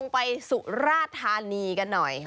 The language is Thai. ไปสุราธานีกันหน่อย